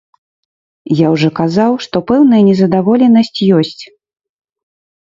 Я ўжо казаў, што пэўная незадаволенасць ёсць.